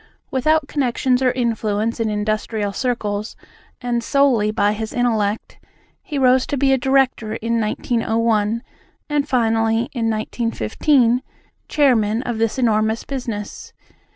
Without connections or influence in industrial circles, and solely by his intellect, he rose to be a director in 1901, and finally, in 1915, chairman of this enormous business.